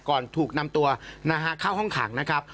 ก่อนถูกนำตัวนะฮะเข้าห้องขังนะครับ